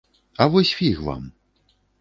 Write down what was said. А вось фіг вам!